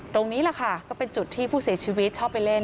ตรงนี้แหละค่ะก็เป็นจุดที่ผู้เสียชีวิตชอบไปเล่น